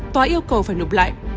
tòa yêu cầu phải nộp lại